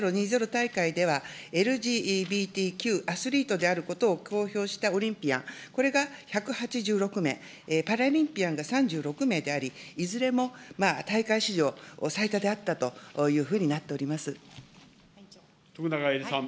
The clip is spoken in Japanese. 大会では、ＬＧＢＴＱアスリートであることを公表したオリンピアン、これが１８６名、パラリンピアンが３６名であり、いずれも大会史上最多であったと徳永エリさん。